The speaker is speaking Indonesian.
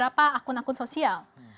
apa akun akun sosial